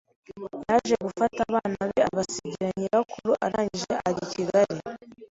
Yaje gufata abana be abasigira nyirakuru, arangije ajya i Kigali